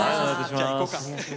じゃ行こうか。